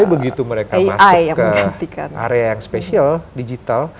tapi begitu mereka masuk ke area yang spesial digital